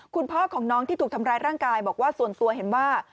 คุณพ่อของน้องที่ถูกทำร้ายร่างกายบอกว่าส่วนตัวเห็นว่า